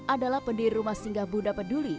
adalah pendiri rumah singgah buddha peduli